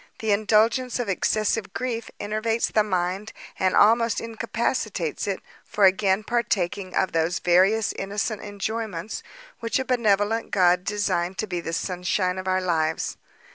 The indulgence of excessive grief enervates the mind, and almost incapacitates it for again partaking of those various innocent enjoyments which a benevolent God designed to be the sunshine of our lives.